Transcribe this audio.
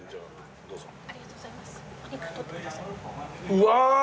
うわ！